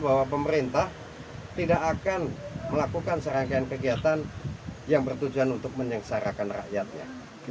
jangan lupa like share dan subscribe ya